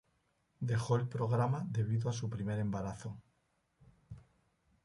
Dejó el programa debido a su primer embarazo.